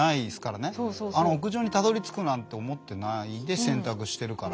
あの屋上にたどりつくなんて思ってないで選択してるから。